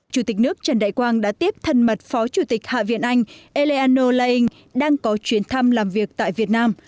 chủ tịch nước trần đại quang đã tiếp thân mật phó chủ tịch hạ viện anh eleano leing đang có chuyến thăm làm việc tại việt nam